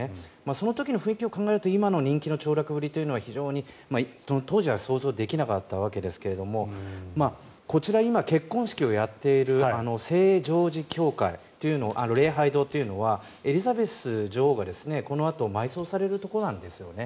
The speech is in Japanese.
その時の雰囲気を考えると今の人気のちょう落ぶりというのは非常に、その当時は想像できなかったわけですがこちら、今結婚式をやっている聖ジョージ礼拝堂というのはエリザベス女王が、このあと埋葬されるところなんですよね。